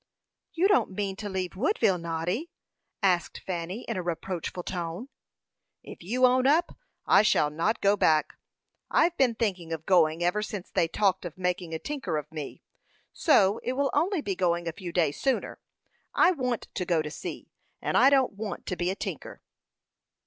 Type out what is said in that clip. "You don't mean to leave Woodville, Noddy?" asked Fanny, in a reproachful tone. "If you own up, I shall not go back. I've been thinking of going ever since they talked of making a tinker of me; so it will only be going a few days sooner. I want to go to sea, and I don't want to be a tinker."